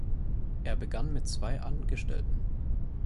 Er begann mit zwei Angestellten.